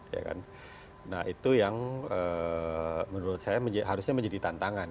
ya kan nah itu yang menurut saya harusnya menjadi tantangan